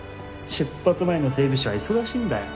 出発前の整備士は忙しいんだよ。